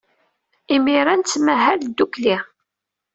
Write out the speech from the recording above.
Imir-a, nettmahal ddukkli.